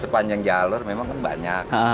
sepanjang jalur memang banyak